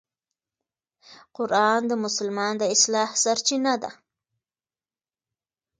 قرآن د مسلمان د اصلاح سرچینه ده.